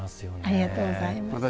ありがとうございます。